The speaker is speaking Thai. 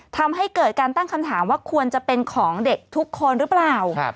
ทำให้เกิดการตั้งคำถามว่าควรจะเป็นของเด็กทุกคนหรือเปล่า